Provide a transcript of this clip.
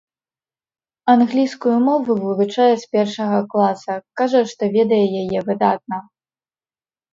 Англійскую мову вывучае з першага класа, кажа што ведае яе выдатна.